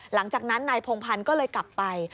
หลังจากนั้นนายพงพันธ์ก็เลยกลับไป